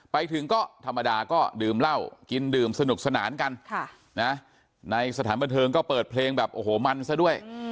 ไปถึงก็ธรรมดาก็ดื่มเหล้ากินดื่มสนุกสนานกันในสถานบันเทิงก็เปิดเพลงแบบโอ้โหมันซะด้วย